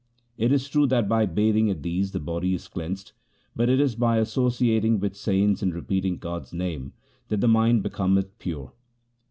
It is true that by bathing at these the body is cleansed, but it is by associating with saints and repeating God's name that the mind becometh pure.